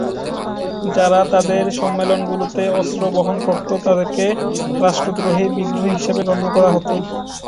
যারা তাদের সম্মেলনগুলোতে অস্ত্র বহন করত, তাদেরকে রাষ্ট্রদ্রোহী বিদ্রোহী হিসেবে গণ্য করা হতো।